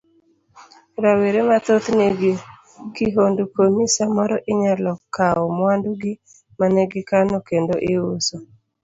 Rawere mathoth nigi kihondko ni samoro inyalo kawo mwandu gi mane gikano kendo iuso.